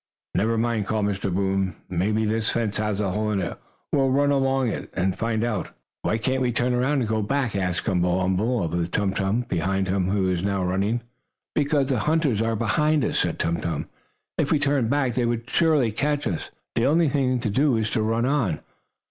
"Never mind!" called Mr. Boom. "Maybe this fence has a hole in it. We'll run along it and find out." "Why can't we turn around and go back?" asked Gumble umble of Tum Tum, behind whom he was now running. "Because the hunters are behind us," said Tum Tum. "If we turned back, they would surely catch us. The only thing to do is to run on."